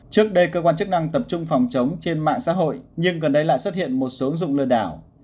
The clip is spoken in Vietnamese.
trước đây cơ quan chức năng tập trung phòng chống trên mạng xã hội nhưng gần đây lại xuất hiện một số ứng dụng lừa đảo